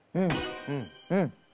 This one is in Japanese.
うんうん。